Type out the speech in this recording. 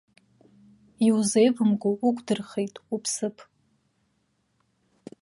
Иузеивымго уқәдырхеит уԥсыԥ.